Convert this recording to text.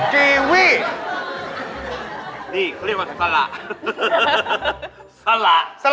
กระตุ๋นที่เล่นมาเพียง